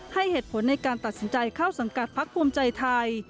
ให้เหตุผลในการตัดสินใจเข้าสังกัดพักภูมิใจไทย